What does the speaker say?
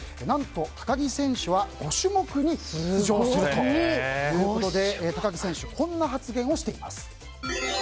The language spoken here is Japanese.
何と、高木選手は５種目に出場するということで高木選手こんな発言をしています。